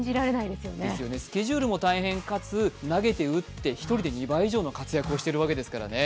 スケジュールも大変かつ投げて打って、１人で２倍以上の活躍をしているわけですからね。